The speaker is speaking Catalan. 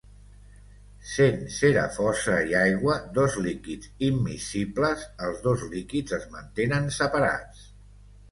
Sent cera fosa i aigua dos líquids immiscibles, els dos líquids es mantenen separats.